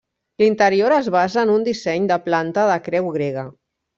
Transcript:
L'interior es basa en un disseny de planta de creu grega.